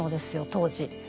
当時。